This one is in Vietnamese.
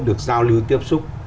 được giao lưu tiếp xúc